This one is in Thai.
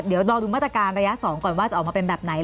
เดี๋ยวรอดูมาตรการระยะ๒ก่อนว่าจะออกมาเป็นแบบไหน